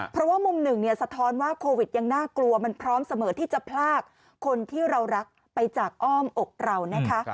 เพราะว่ามุมหนึ่งเนี่ยสะท้อนว่าโควิดยังน่ากลัวมันพร้อมเสมอที่จะพลากคนที่เรารักไปจากอ้อมอกเรานะคะ